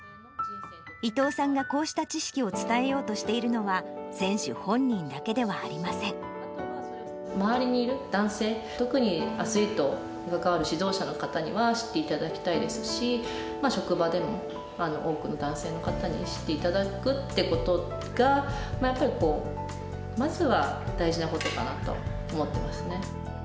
伊藤さんがこうした知識を伝えようとしているのは、選手本人だけ周りにいる男性、特にアスリートに関わる指導者の方には知っていただきたいですし、職場でも多くの男性の方に知っていただくっていうことが、やっぱりまずは大事なことかなと思ってますね。